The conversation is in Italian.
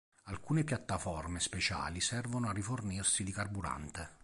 Alcune piattaforme speciali servono a rifornirsi di carburante.